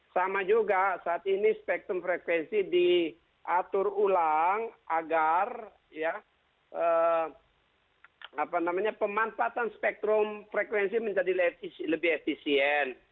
sama juga saat ini spektrum frekuensi diatur ulang agar pemanfaatan spektrum frekuensi menjadi lebih efisien